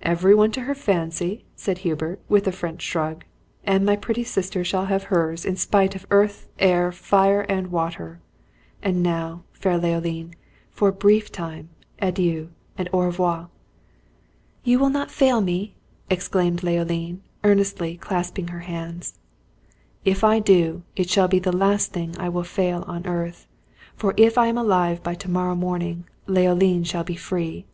"Every one to her fancy!" said Hubert, with a French shrug, "and my pretty sister shall have hers in spite of earth, air, fire, and water! And now, fair Leoline, for a brief time, adieu, and au revoir!" "You will not fail me!" exclaimed Leoline, earnestly, clasping her hands. "If I do, it shall be the last thing I will fail in on earth; for if I am alive by to morrow morning, Leoline shall be free!"